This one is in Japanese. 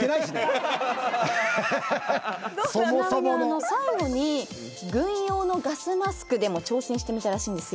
ちなみに最後に軍用のガスマスクでも挑戦してみたらしいんですよ。